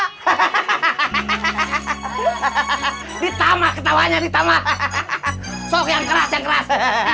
hahaha ditama ketawanya ditama sok yang keras yang keras